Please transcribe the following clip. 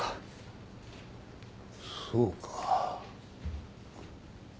そうか。